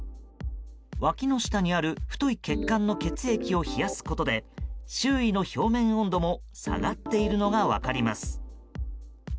わきの下にある太い血管の血液を冷やすことで周囲の表面温度も下がっているのが分かります。